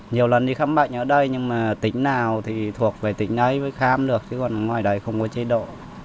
nhiều lần đi khám bệnh ở đây nhưng mà tính nào thì thuộc về tính ấy mới khám được chứ còn ngoài đấy không có chế độ